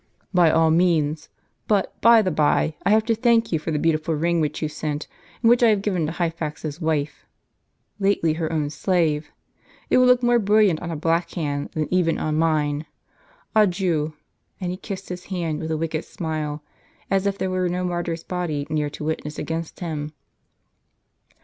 "By all means. But, by the bye, I have to thank j^ou for the beautiful ring which you sent, and which I have given to Hyphax's wife" (lately her own slave!). "It will look more brilliant on a black hand than even on mine. Adieu !" and he kissed his hand with a wicked smile, as if there were no martyr's body near to witness against him.